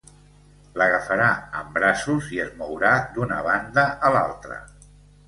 L'agafarà en braços i es mourà d'una banda a l'altra.